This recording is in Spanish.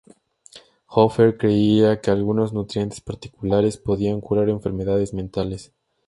Hoffer creía que algunos nutrientes particulares podían curar enfermedades mentales.